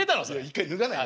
一回脱がないと。